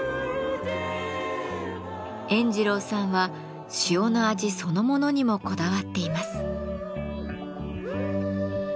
塩二郎さんは塩の味そのものにもこだわっています。